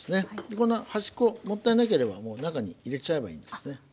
この端っこもったいなければもう中に入れちゃえばいいですね。